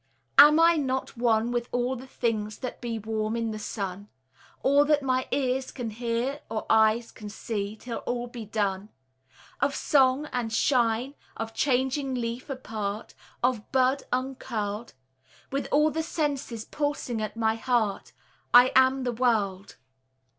Am I not one with all the things that be Warm in the sun? All that my ears can hear, or eyes can see, Till all be done. Of song and shine, of changing leaf apart, Of bud uncurled: With all the senses pulsing at my heart, I am the world.